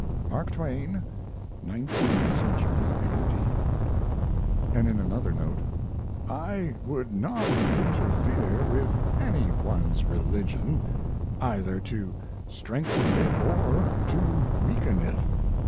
MARK TWAIN, 19th Cent. A.D. And in another note: I would not interfere with any one's religion, either to strengthen it or to weaken it.